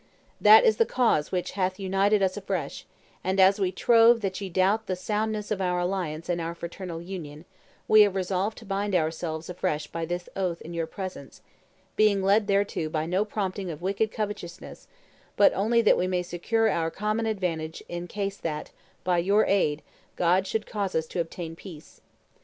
That is the cause which hath united us afresh; and, as we trove that ye doubt the soundness of our alliance and our fraternal union, we have resolved to bind ourselves afresh by this oath in your presence, being led thereto by no prompting of wicked covetousness, but only that we may secure our common advantage in case that, by your aid, God should cause us to obtain peace.